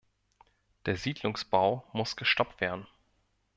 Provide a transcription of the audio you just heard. Der Siedlungsbau muss gestoppt werden.